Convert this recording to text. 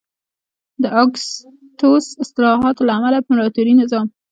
د اګوستوس اصلاحاتو له امله امپراتوري نظام